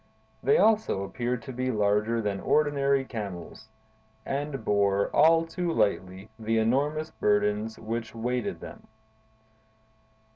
They also appeared to be larger than ordinary camels, and bore—all too lightly—the enormous burdens which weighted them.